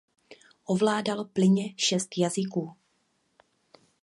Ovládal plynně šest jazyků.